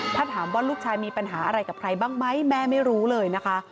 ถ้าถามว่าลูกชายมีปัญหาอะไรกับใครบ้างไหมแม่ไม่รู้เลยนะคะ